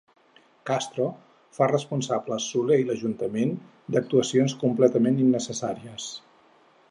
Castro fa responsables Soler i l'Ajuntament d'actuacions completament innecessàries.